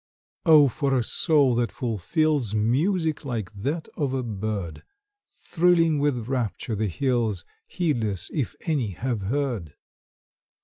Oh, for a soul that fulfils Music like that of a bird! Thrilling with rapture the hills, Heedless if any have heard.